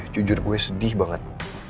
jujur gue sedih banget